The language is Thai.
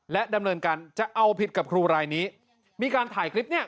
ดำเนินการจะเอาผิดกับครูรายนี้มีการถ่ายคลิปเนี่ย